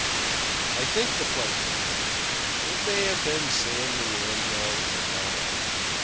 (I think the place was Haywards. It may have been San Leandro or Niles.